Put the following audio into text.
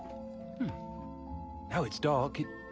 うん。